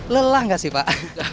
lelah gak sih pak